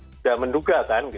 sudah menduga kan